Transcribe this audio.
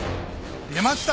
出ました！